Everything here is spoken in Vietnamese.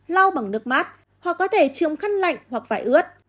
lau bằng nước mát hoặc có thể trường khăn lạnh hoặc vải ướt